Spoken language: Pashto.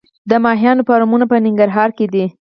د ماهیانو فارمونه په ننګرهار کې دي